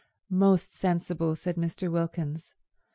"Most sensible," said Mr. Wilkins.